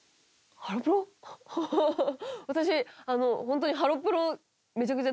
私ホントに。